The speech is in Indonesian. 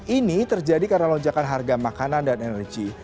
ini terjadi karena lonjakan harga makanan dan energi